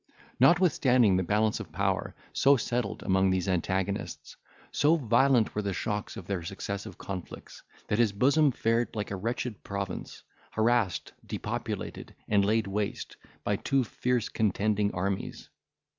Notwithstanding the balance of power so settled among these antagonists, so violent were the shocks of their successive conflicts, that his bosom fared like a wretched province, harassed, depopulated, and laid waste, by two fierce contending armies.